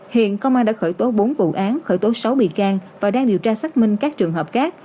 hiện công an đã khởi tố bốn vụ án khởi tố sáu bị can và đang điều tra xác minh các trường hợp khác